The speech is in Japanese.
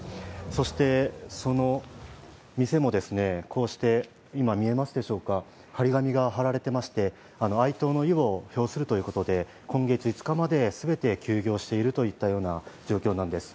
そしてその店も、こうして張り紙が貼られていまして哀悼の意を表するということで今月５日まで全て休業しているといったような状況なんです。